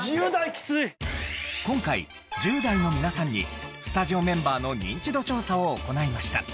今回１０代の皆さんにスタジオメンバーのニンチド調査を行いました。